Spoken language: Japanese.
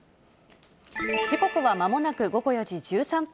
時刻はまもなく午後４時１３分。